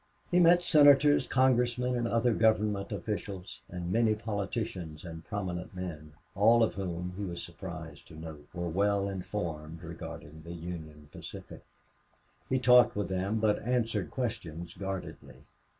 He met Senators, Congressmen, and other government officials, and many politicians and prominent men, all of whom, he was surprised to note, were well informed regarding the Union Pacific. He talked with them, but answered questions guardedly.